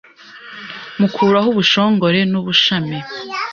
Mukuraho ubushongore n’ubushami